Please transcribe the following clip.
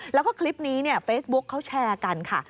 แล้วก็คลิปนี้เฟซบุ๊คเขาแชร์กันค่ะ